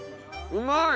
うまい！